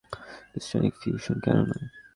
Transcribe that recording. ক্রিস্টালিক fusion, কেন নয়?